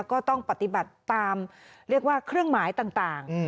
ก็ต้องปฏิบัติตามเรียกว่าเครื่องหมายต่าง